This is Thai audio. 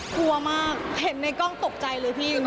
พูดมากเห็นในกล้องตกใจเลยพี่จริง